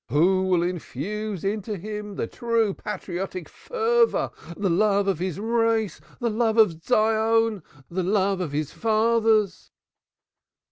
Who will infuse into him the true patriotic fervor, the love of his race, the love of Zion, the land of his fathers?"